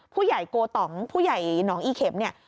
ผู้ใหญ่โกตองผู้ใหญ่หนองอีเข็มเนี่ย